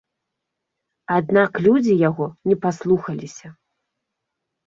Аднак людзі яго не паслухаліся.